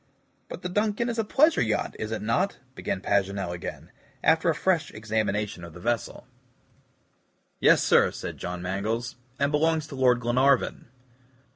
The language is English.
"But the DUNCAN is a pleasure yacht, is it not?" began Paganel again, after a fresh examination of the vessel. "Yes, sir," said John Mangles, "and belongs to Lord Glenarvan."